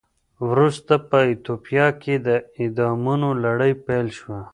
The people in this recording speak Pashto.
ورسته په ایتوپیا کې د اعدامونو لړۍ پیل شوه.